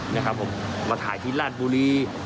นะครับผมมาถ่ายที่ราชบุรี